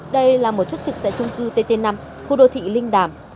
đây là một chốt trực tại trung cư tt năm khu đô thị linh đàm